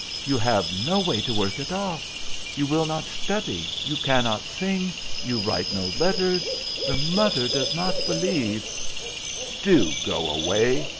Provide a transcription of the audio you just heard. "'You have no way to work it off. You will not study, you cannot sing, you write no letters, the mother does not believe' "'Do go away!'